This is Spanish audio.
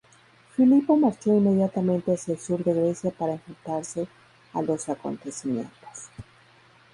Filipo marchó inmediatamente hacia el sur de Grecia para enfrentarse a los acontecimientos.